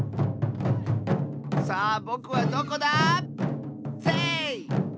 さあぼくはどこだ⁉せい！